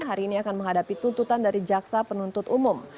hari ini akan menghadapi tuntutan dari jaksa penuntut umum